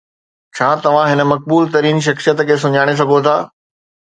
ڇا توهان هن مقبول ترين شخصيت کي سڃاڻي سگهو ٿا؟